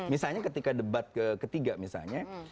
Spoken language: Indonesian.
misalnya ketika debat ketiga misalnya